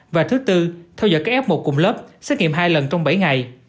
và thứ tư theo dõi các f một cùng lớp xét nghiệm hai lần trong bảy ngày